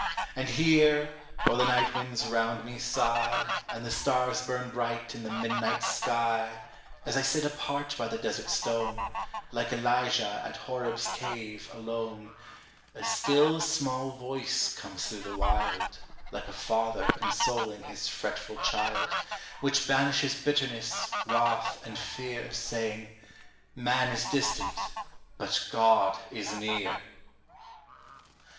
And here, while the night winds round me sigh, And the stars burn bright in the midnight sky, As I sit apart by the desert stone, Like Elijah at Horeb's cave, alone, "A still small voice" comes through the wild (Like a father consoling his fretful child), Which banishes bitterness, wrath, and fear, Saying, Man is distant, but God is near!